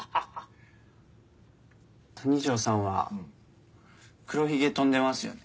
谷ショーさんは黒ひげ飛んでますよね。